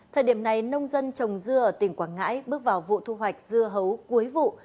thời điểm này nông dân trồng dưa ở tỉnh quảng ngãi bước vào vụ thu hoạch dưa hấu cuối vụ